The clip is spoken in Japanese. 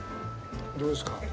どうですか？